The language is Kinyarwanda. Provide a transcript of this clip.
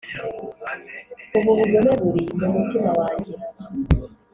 ubu bugome buri mu mutima wanjye,